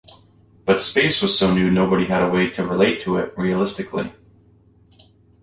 But space was so new nobody had a way to relate to it realistically.